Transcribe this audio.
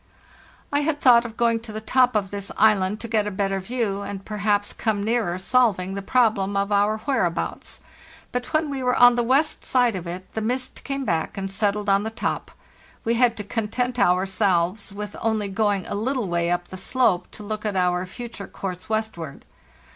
"T had thought of going to the top of this island to get a better view, and perhaps come nearer solving the problem of our whereabouts. But when we were on the west side of it the mist came back and settled on the top; we had to content ourselves with only going a little way up the slope to look at our future course westward.